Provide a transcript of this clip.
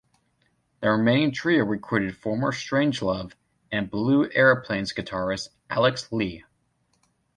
The remaining trio recruited former Strangelove and Blue Aeroplanes guitarist Alex Lee.